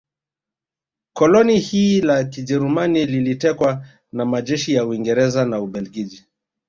koloni hilo la Kijerumani lilitekwa na majeshi ya Uingereza na Ubelgiji